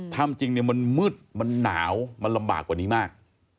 ถ้ำจริงเนี่ยมันมืดมันหนาวมันลำบากกว่านี้มาก